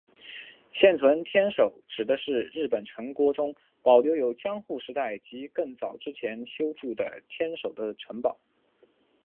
现存天守指的是日本城郭中保留有江户时代及更早之前修筑的天守的城堡。